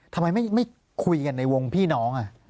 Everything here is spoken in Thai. ทำไมไม่คุยกันในวงพี่น้อง